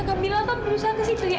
kamila kan berusaha kesimpulannya